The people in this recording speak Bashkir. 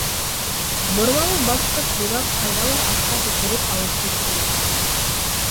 Бормалы баҫҡыс буйлап ҡайҙалыр аҫҡа төшөрөп алып киттеләр.